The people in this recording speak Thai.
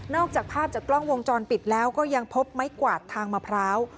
จากภาพจากกล้องวงจรปิดแล้วก็ยังพบไม้กวาดทางมะพร้าว